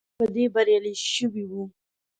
په دې بریالی شوی وو.